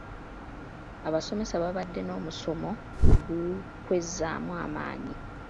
Abasomesa baabadde n'omusomo ogw'okwezzaamu amaanyi.